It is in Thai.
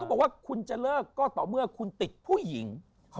บอกว่าคุณจะเลิกก็ต่อเมื่อคุณติดผู้หญิง